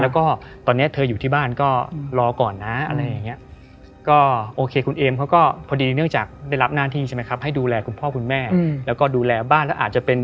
แล้วก็ตอนนี้เธออยู่ที่บ้านก็รอก่อนนะอะไรอย่างนี้ก็โอเคคุณเอมเขาก็พอดีเนื่องจากได้รับหน้าที่ใช่ไหมครับให้ดูแลคุณพ่อคุณแม่แล้วก็ดูแลบ้านแล้วอาจจะเป็น